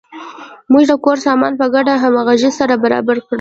موږ د کور سامان په ګډه او همغږۍ سره برابر کړ.